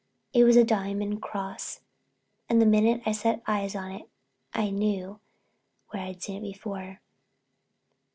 It was a diamond cross and the minute I set eyes on it I knew where I'd seen it before.